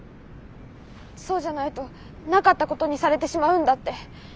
そうじゃないとなかったことにされてしまうんだって。